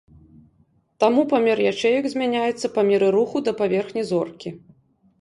Таму памер ячэек змяняецца па меры руху да паверхні зоркі.